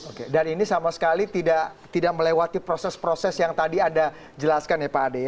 oke dan ini sama sekali tidak melewati proses proses yang tadi anda jelaskan ya pak ade